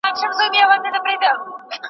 د مطالعې وده په يوه ممتازه ټولنه کي ممکنه ده.